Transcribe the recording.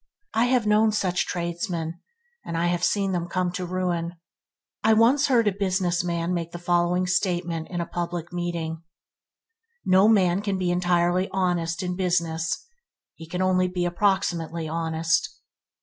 I have known such tradesmen, and have seen them come to ruin. I once heard a businessman make the following statement in a public meeting: "No man can be entirely honest in business; he can only be approximately honest."